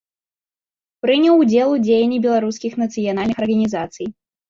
Прыняў удзел у дзеянні беларускіх нацыянальных арганізацый.